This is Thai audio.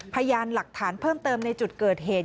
พยานหลักฐานเพิ่มเติมในจุดเกิดเหตุ